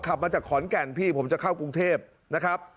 ขับมาจากขอนแก่นพี่ผมจะเข้ากรุงเทพนะครับ